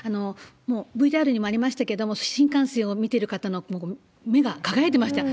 もうＶＴＲにもありましたけれども、新幹線を見てる方の目が輝いてました。